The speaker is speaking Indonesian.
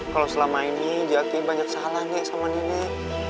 kalau selama ini jaki banyak salah nenek sama nenek